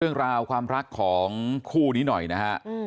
เรื่องราวความรักของคู่นี้หน่อยนะฮะ